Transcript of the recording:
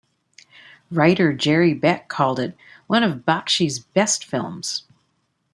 Writer Jerry Beck called it "one of Bakshi's best films".